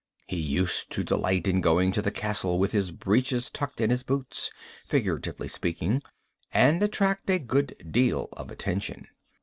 He used to delight in going to the castle with his breeches tucked in his boots, figuratively speaking, and attract a good deal of attention.